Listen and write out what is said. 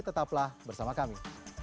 tetaplah bersama kami